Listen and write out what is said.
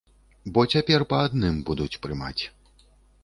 Бо цяпер па адным будуць прымаць.